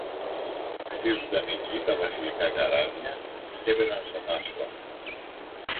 χτίζουνταν εκεί τα βασιλικά καράβια κι έμπαιναν στο ναύσταθμο.